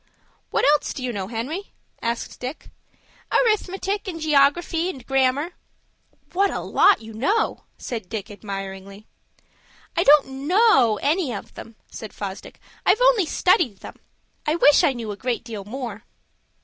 "What else do you know, Henry?" asked Dick. "Arithmetic, and geography, and grammar." "What a lot you know!" said Dick, admiringly. "I don't know any of them," said Fosdick. "I've only studied them. I wish I knew a great deal more."